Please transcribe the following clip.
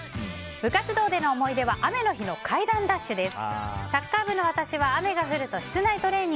部活動での思い出は雨の日の階段ダッシュです。